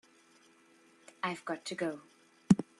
I've got to go.